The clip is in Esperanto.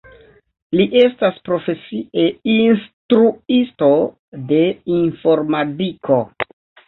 Li estas profesie instruisto de informadiko.